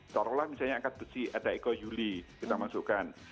taruhlah misalnya angkat besi ada eko yuli kita masukkan